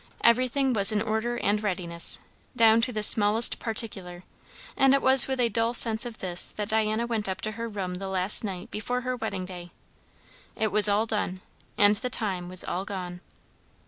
Everything was in order and readiness, down to the smallest particular; and it was with a dull sense of this that Diana went up to her room the last night before her wedding day. It was all done, and the time was all gone.